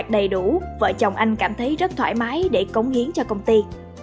đầy đủ vợ chồng anh cảm thấy rất thoải mái để cống hiến cho công ty